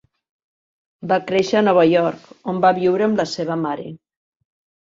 Va créixer a Nova York, on va viure amb la seva mare.